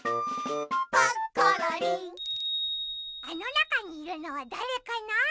あのなかにいるのはだれかな？